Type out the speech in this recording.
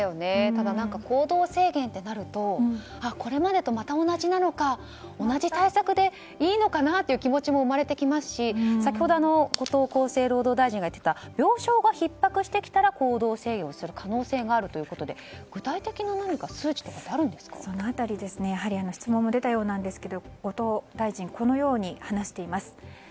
ただ、行動制限ってなるとこれまでとまた同じなのか同じ対策でいいのかなという気持ちも生まれてきますし先ほど後藤厚生労働大臣が言っていた病床がひっ迫してきたら行動制限をする可能性があるということで具体的な数値とかってその辺りやはり質問も出たようなんですが後藤大臣はこのように話しています。